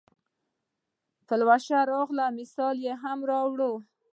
د پلوشه راغلل مثال یې هم راووړ.